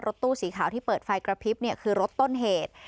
ตู้สีขาวที่เปิดไฟกระพริบคือรถต้นเหตุ